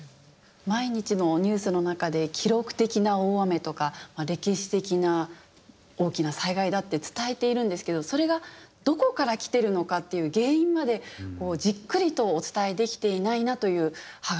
毎日のニュースの中で「記録的な大雨」とか「歴史的な大きな災害だ」って伝えているんですけどそれがどこからきてるのかっていう原因までじっくりとお伝えできていないなという歯がゆさも感じますね。